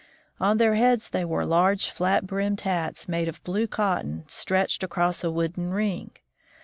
On their heads they wore large flat brimmed hats, made of blue cotton stretched across a wooden ring.